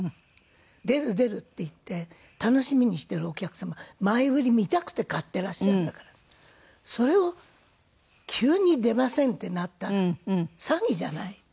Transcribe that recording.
「“出る出る”って言って楽しみにしてるお客様前売り見たくて買ってらっしゃるんだからそれを急に出ませんってなったら詐欺じゃない！」。